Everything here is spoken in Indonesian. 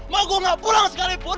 mau gue gak pulang sekalipun